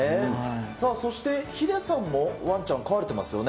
さあ、そしてヒデさんもワンちゃん、飼われてますよね。